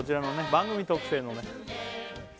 番組特製のね